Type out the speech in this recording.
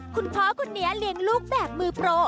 คุณพ่อคนนี้เลี้ยงลูกแบบมือโปร